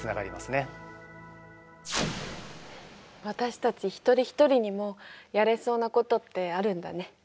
私たちひとりひとりにもやれそうなことってあるんだね。